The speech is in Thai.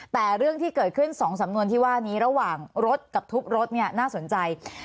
แต่เรื่องที่เกิดขึ้น๒สำนวนที่ว่านี้ระหว่างรถกับทุบรถเนี่ยน่าสนใจ